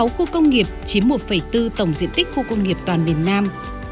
bốn mươi sáu khu công nghiệp chiếm một bốn tổng diện tích khu công nghiệp toàn miền nam